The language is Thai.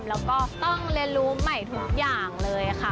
แล้วก็ต้องเรียนรู้ใหม่ทุกอย่างเลยค่ะ